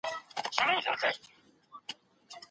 کډوالو په بهر کي افغاني کلتور ژوندی ساتلی و.